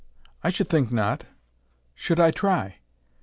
"I sh'd think not." "Should I try?"